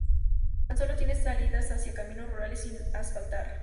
Tan solo tiene salidas hacia caminos rurales sin asfaltar.